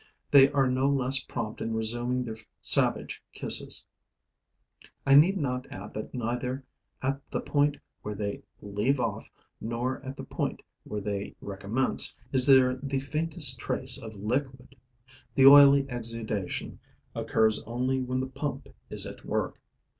They are no less prompt in resuming their savage kisses. I need not add that neither at the point where they leave off nor at the point where they recommence is there the faintest trace of liquid. The oily exudation occurs only when the pump is at work.